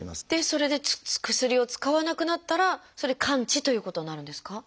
それで薬を使わなくなったらそれで完治ということになるんですか？